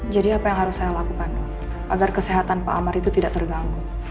jadi apa yang harus saya lakukan agar kesehatan pak amar itu tidak terganggu